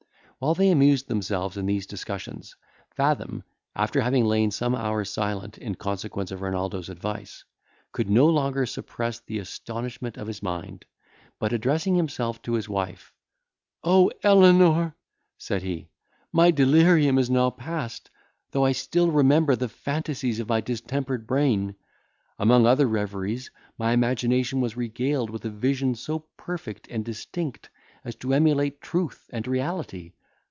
While they amused themselves in these discussions, Fathom, after having lain some hours silent, in consequence of Renaldo's advice, could no longer suppress the astonishment of his mind, but, addressing himself to his wife, "O Elenor!" said he, "my delirium is now past; though I still remember the phantasies of my distempered brain. Among other reveries, my imagination was regaled with a vision so perfect and distinct, as to emulate truth and reality.